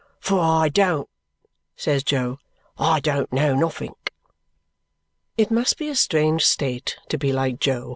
"For I don't," says Jo, "I don't know nothink." It must be a strange state to be like Jo!